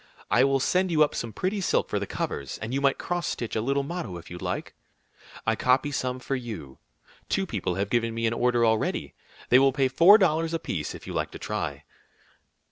I will send you up some pretty silk for the covers, and you might cross stitch a little motto if you liked. I copy some for you. Two people have given me an order already. They will pay four dollars apiece if you like to try."